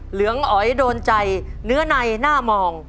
เหลืองอ๋อยโดนใจเนื้อในหน้ามอง